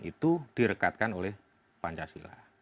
itu direkatkan oleh pancasila